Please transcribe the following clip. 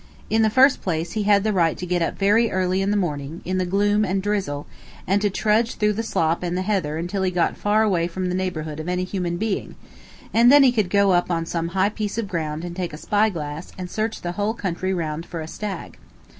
In the first place, he had the right to get up very early in the morning, in the gloom and drizzle, and to trudge through the slop and the heather until he got far away from the neighborhood of any human being, and then he could go up on some high piece of ground and take a spyglass and search the whole country round for a stag.